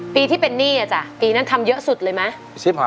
ปีที่เป็นหนี้อ่ะจ้ะปีนั้นทำเยอะสุดเลยไหม